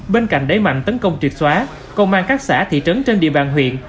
bên cạnh đáy mạnh tấn công triệt xóa công an các xã thị trấn trên địa bàn huyện